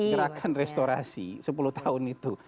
gerakan restorasi sepuluh tahun itu